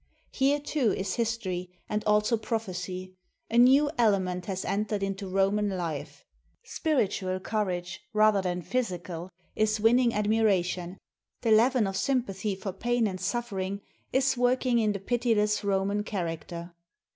Here, too, is history, and also prophecy. A new element has entered into Roman life. Spiritual courage, rather than physical, is winning admiration, the leaven of sympathy for pain and suffering is working in the piti less Roman character.